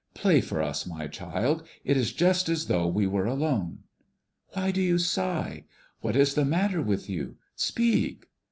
Play for us, my child, it is just as though we were alone. Why do you sigh? What is the matter with you? Speak."